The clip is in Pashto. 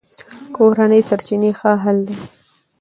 کورني سرچینې ښه حل دي.